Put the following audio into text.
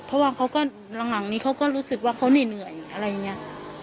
เพราะว่าเขาก็หลังนี้เขาก็รู้สึกว่าเขาเหนื่อยอะไรอย่างนี้